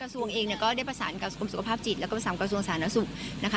กระทรวงเองก็ได้ประสานกรมสุขภาพจิตและก็ประสานกรมวิทยานสารนสุข